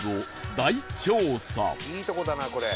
いいとこだなこれ。